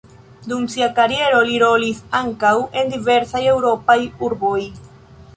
Dum sia kariero li rolis ankaŭ en diversaj eŭropaj urboj.